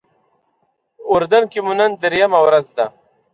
اردن کې مو نن درېیمه ورځ ده.